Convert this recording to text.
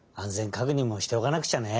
かくにんもしておかなくちゃね。